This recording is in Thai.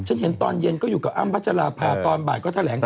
เห็นตอนเย็นก็อยู่กับอ้ำพัชราภาตอนบ่ายก็แถลงข่าว